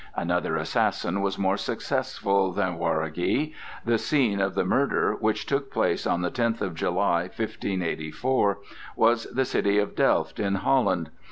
Another assassin was more successful than Jaureguy. The scene of the murder, which took place on the tenth day of July, 1584, was the city of Delft in Holland.